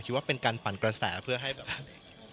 ว่าเป็นการปั่นกระแสเพื่อให้แบบ